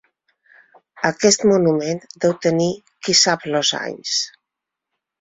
Aquest monument deu tenir qui-sap-los anys.